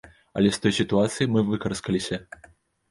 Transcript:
Але з той сітуацыі мы выкараскаліся.